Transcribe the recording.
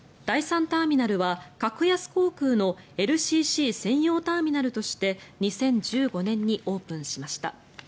第３ターミナルは格安航空のＬＣＣ専用ターミナルとして２０１５年にオープンしました。